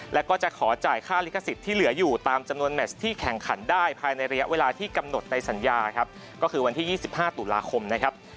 แล้วก็จะขอจ่ายค่าลิขสิทธิ์ที่เหลืออยู่ตามจำนวนแมชที่แข่งขันได้ภายในระยะเวลาที่กำหนดในสัญญาครับก็คือวันที่๒๕ตุลาคมนะครับ